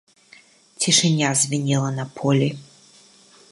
Цішыня звінела на полі.